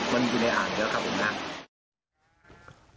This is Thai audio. มันอยู่ในอ่างแล้วครับทำนะ